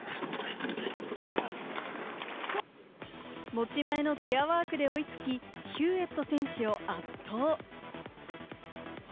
持ち前のチェアワークで追いつき、ヒューエット選手を圧倒。